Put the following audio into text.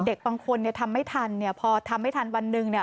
เด็กบางคนทำไม่ทันพอทำไม่ทันวันหนึ่ง